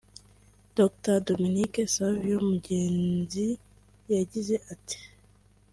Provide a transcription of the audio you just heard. Dr Dominique Savio Mugenzi yagize ati